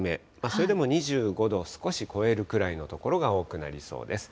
それでも２５度を少し超えるくらいの所が多くなりそうです。